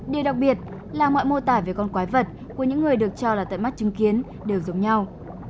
điều đặc biệt là mọi mô tả về con quái vật của những người được cho là tận mắt chứng kiến đều giống nhau